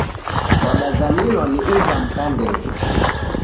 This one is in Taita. Wadazamilwa ni ujha mka ndee.